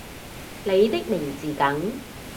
你的名字梗